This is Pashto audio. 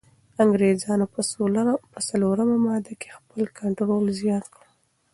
انګریزانو په څلورمه ماده کي خپل کنټرول زیات کړ.